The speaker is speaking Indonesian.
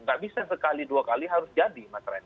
nggak bisa sekali dua kali harus jadi mas ren